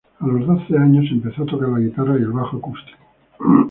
A los doce años empezó a tocar la guitarra y el bajo acústico.